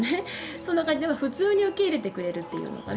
そんな感じで普通に受け入れてくれるっていうのかな。